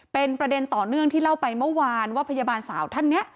เป็นประเด็นต่อเนื่องที่เล่าไปเมื่อวานว่าพยาบาลสาวท่านนี้